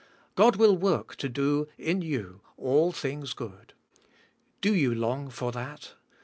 God will work to do in you all thing's good. Do you long* for that?